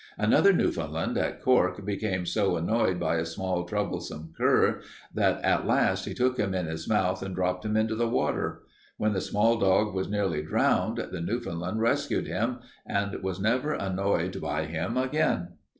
Another Newfoundland at Cork became so annoyed by a small, troublesome cur, that at last he took him in his mouth and dropped him into the water. When the small dog was nearly drowned the Newfoundland rescued him, and was never annoyed by him again.